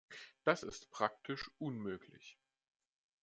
Das ist praktisch unmöglich.